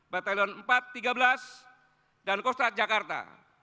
batalion empat ratus tiga belas dan kostrat jakarta